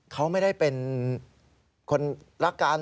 เขาไม่ได้เป็นคนรักกัน